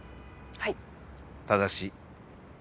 はい。